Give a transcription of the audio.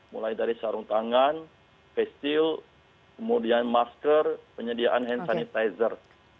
mulai dari sarung tangan face steel kemudian masker penyediaan hand sanitizer